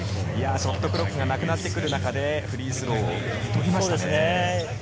ショットクロックがなくなってくる中で、フリースローを取りました。